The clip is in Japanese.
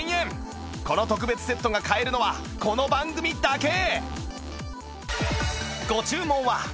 この特別セットが買えるのはこの番組だけ